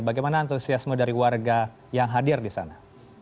bagaimana antusiasme dari warga yang hadir di sana